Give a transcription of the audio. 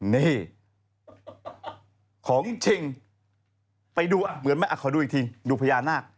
นี่ของจริงไปดูเหมือนไหมขอดูอีกทีดูพญานาค